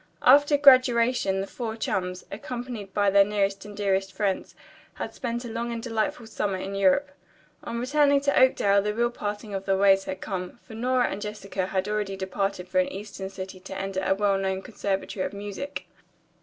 After graduation the four chums, accompanied by their nearest and dearest friends, had spent a long and delightful summer in Europe. On returning to Oakdale the real parting of the ways had come, for Nora and Jessica had already departed for an eastern city to enter a well known conservatory of music.